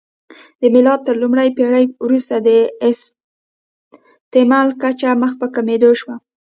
د میلاد تر لومړۍ پېړۍ وروسته د استعمل کچه مخ په کمېدو شوه